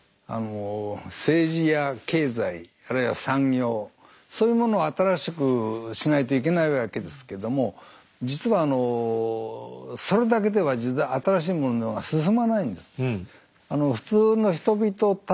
政治や経済あるいは産業そういうものを新しくしないといけないわけですけども実はあのそれだけでは実は新しいものは進まないんです。